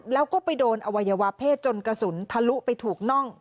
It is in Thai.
แล้วก็ไปโดนอวัยวะเพศจนกระสุนทะลุไปถูกน่อง